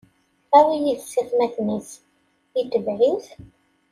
Iwwi yid-s atmaten-is, itebɛ-it;